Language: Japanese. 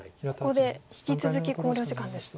ここで引き続き考慮時間です。